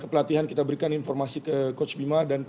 pelatihan kita berikan informasi ke coach bima